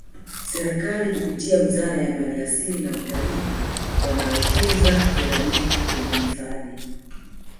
serikali kupitia wizara ya mali asili na utalii wanawekeza fedha nyingi kwenye hifadhi